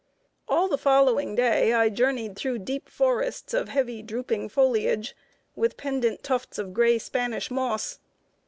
All the following day I journeyed through deep forests of heavy drooping foliage, with pendent tufts of gray Spanish moss.